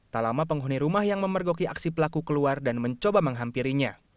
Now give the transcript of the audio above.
tak lama penghuni rumah yang memergoki aksi pelaku keluar dan mencoba menghampirinya